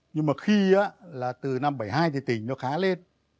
nhưng mà khi là từ năm bảy mươi hai thì tỉnh nó khá lên